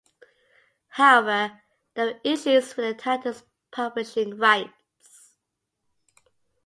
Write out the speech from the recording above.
However, there were issues with the title's publishing rights.